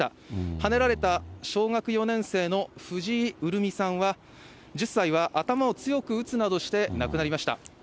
はねられた小学４年生の藤井潤美さんは、１０歳は、頭を強く打つなどして亡くなりました。